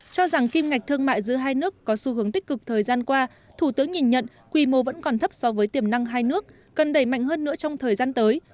cho rằng kim ngạch thương mại giữa hai nước có xu hướng tích cực thời gian qua thủ tướng nhìn nhận quy mô vẫn còn thấp so với tiềm năng hai nước cần đẩy mạnh hơn nữa trong thời gian tới